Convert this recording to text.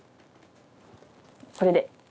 これで。